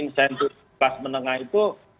insentif pas menengah itu